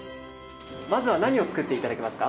まずは何を作って頂けますか？